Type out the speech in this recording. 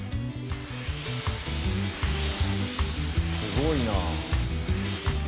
すごいな。